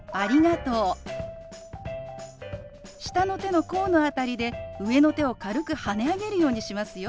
下の手の甲の辺りで上の手を軽くはね上げるようにしますよ。